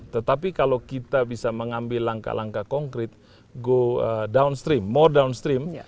tetapi kalau kita bisa mengambil langkah langkah konkret go downstream more downstream